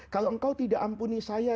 kalau engkau tidak ampuni saya